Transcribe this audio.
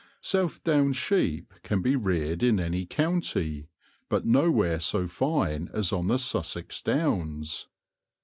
South Down sheep can be reared in any county, but nowhere so fine as on the Sussex Downs.